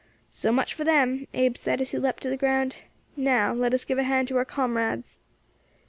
"So much for them," Abe said, as he leapt to the ground. "Now let us give a hand to our comrades."